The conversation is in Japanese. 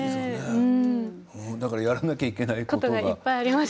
だからやらなくちゃいけないことが。